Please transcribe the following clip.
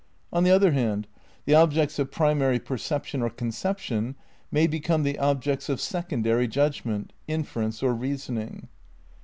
On the other hand, the objects of primary perception or conception may become the objects of secondary judgment, inference or reasoning.